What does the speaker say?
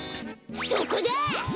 そこだ！